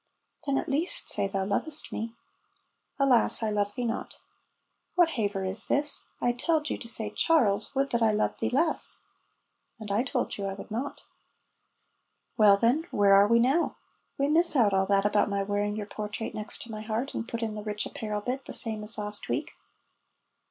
"Then at least say thou lovest me." "Alas, I love thee not." ("What haver is this? I telled you to say 'Charles, would that I loved thee less.'") ("And I told you I would not.") ("Well, then, where are we now?") ("We miss out all that about my wearing your portrait next my heart, and put in the rich apparel bit, the same as last week.")